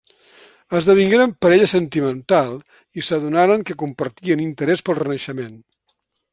Esdevingueren parella sentimental i s'adonaren que compartien interès pel Renaixement.